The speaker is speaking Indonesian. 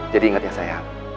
jadi inget ya sayang